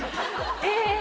えっ！